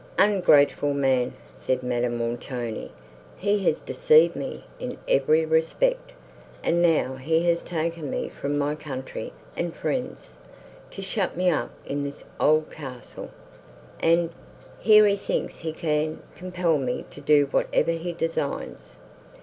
"Ungrateful man!" said Madame Montoni, "he has deceived me in every respect; and now he has taken me from my country and friends, to shut me up in this old castle; and, here he thinks he can compel me to do whatever he designs!